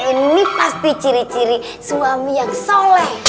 ini pasti ciri ciri suami yang soleh